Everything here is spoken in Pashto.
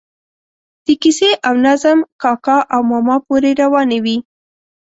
د کیسې او نظم کاکا او ماما پورې روانې وي.